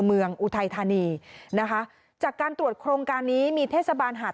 อุทัยธานีนะคะจากการตรวจโครงการนี้มีเทศบาลหาด